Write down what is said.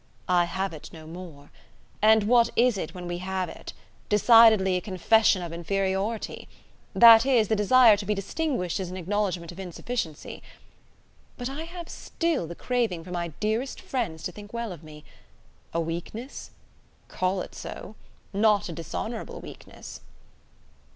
I have it no more. And what is it when we have it? Decidedly a confession of inferiority! That is, the desire to be distinguished is an acknowledgement of insufficiency. But I have still the craving for my dearest friends to think well of me. A weakness? Call it so. Not a dishonourable weakness!"